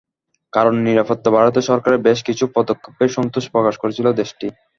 কারণ, নিরাপত্তা বাড়াতে সরকারের বেশ কিছু পদক্ষেপে সন্তোষ প্রকাশ করেছিল দেশটি।